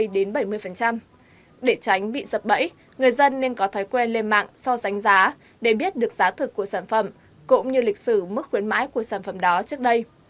để tránh bị dập bẫy người dân nên có thói quen lên mạng so sánh giá để biết được giá thực của sản phẩm cũng như lịch sử mức khuyến mãi của sản phẩm đó trước đây